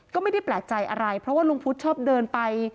ก็ไม่ได้แปลกใจอะไรเพราะว่าลุงพุทธชอบเดินไป